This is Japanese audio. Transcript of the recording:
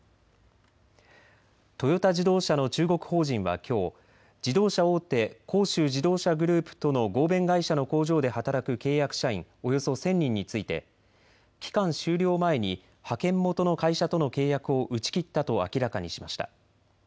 トヨタ自動車の中国法人はきょう、自動車大手、広州自動車グループとの合弁会社の工場で働く契約社員、およそ１０００人について期間終了前に派遣元の会社との契約を打ち切ったと明らかにしました。